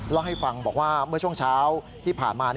เล่าให้ฟังบอกว่าเมื่อช่วงเช้าที่ผ่านมา